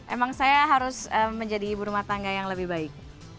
emang saya harus menjadi ibu rumah tangga yang lebih baik